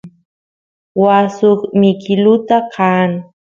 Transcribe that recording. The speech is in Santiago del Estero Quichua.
waa suk mikiluta qaan